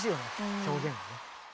表現はね。